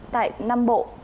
tại nam bộ